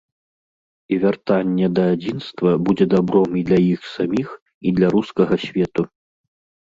І вяртанне да адзінства будзе дабром і для іх саміх, і для рускага свету.